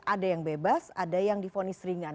ada yang bebas ada yang difonis ringan